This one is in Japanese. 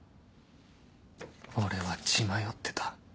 俺は血迷ってた